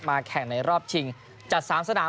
แข่งในรอบชิงจัด๓สนาม